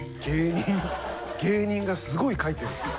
芸人がすごい書いてる。